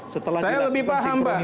saya lebih paham pak